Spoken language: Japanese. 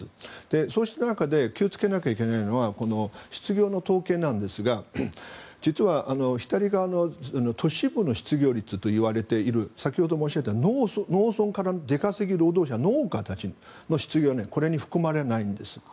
そうした中で気をつけなきゃいけないのは失業の統計なんですが実は左側の都市部の失業率といわれている農村からの出稼ぎ労働者農家たちの失業は含まれないんです。